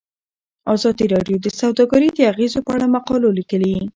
ازادي راډیو د سوداګري د اغیزو په اړه مقالو لیکلي.